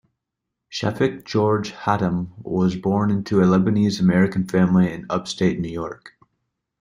Shafick George Hatem was born into a Lebanese-American family in upstate New York.